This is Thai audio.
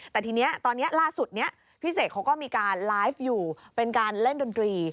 แต่ทีนี้ตอนนี้ล่าสุดนี้พี่เสกเขาก็มีการไลฟ์อยู่เป็นการเล่นดนตรี